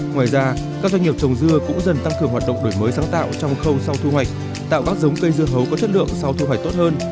ngoài ra các doanh nghiệp trồng dưa cũng dần tăng cường hoạt động đổi mới sáng tạo trong khâu sau thu hoạch tạo các giống cây dưa hấu có chất lượng sau thu hoạch tốt hơn